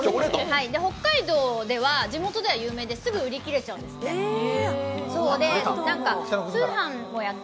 北海道、地元では有名ですぐ売り切れちゃうんですって。